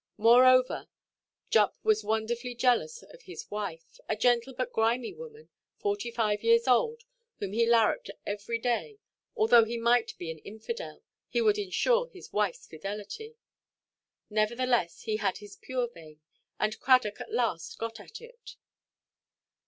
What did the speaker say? Moreover, Jupp was wonderfully jealous of his wife, a gentle but grimy woman, forty–five years old, whom he larruped every day; although he might be an infidel, he would ensure his wifeʼs fidelity. Nevertheless, he had his pure vein, and Cradock at last got at it.